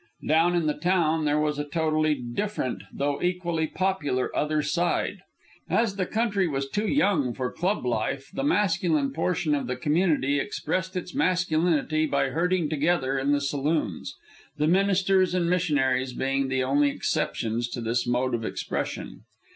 Down in the town there was a totally different though equally popular other side. As the country was too young for club life, the masculine portion of the community expressed its masculinity by herding together in the saloons, the ministers and missionaries being the only exceptions to this mode of expression.